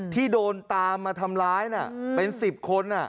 ที่โดนตามมาทำร้ายเป็น๑๐คน